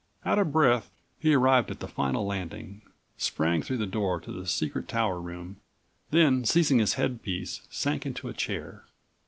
Out of breath, he arrived at the final landing, sprang through the door to the secret tower room, then seizing his headpiece, sank into a chair.